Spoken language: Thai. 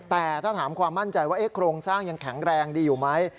แต่ถ้าถามความมั่นใจว่าโครงสร้างยังแข็งแรงดีอยู่ไหม